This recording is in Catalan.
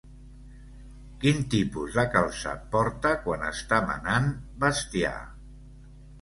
Quin tipus de calçat porta quan està menant bestiar?